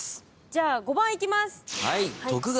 じゃあ５番いきます。